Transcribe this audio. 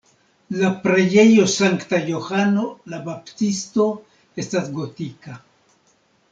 La preĝejo sankta Johano la Baptisto estas gotika.